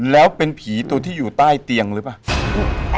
แล้วเป็นผีตัวที่อยู่ใต้เตียงหรือเปล่า